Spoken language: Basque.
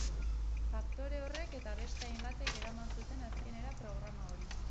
Faktore horrek eta beste hainbatek eraman zuten azkenera programa hori.